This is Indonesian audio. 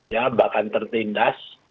ya bahkan tertindas